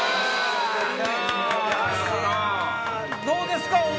どうですか？